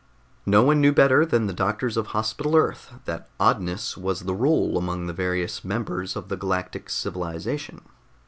No one knew better than the doctors of Hospital Earth that oddness was the rule among the various members of the galactic civilization.